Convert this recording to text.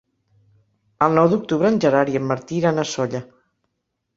El nou d'octubre en Gerard i en Martí iran a Sóller.